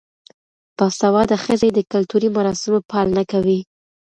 باسواده ښځې د کلتوري مراسمو پالنه کوي.